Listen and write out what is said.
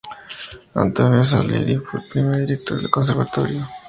Antonio Salieri fue el primer director del conservatorio.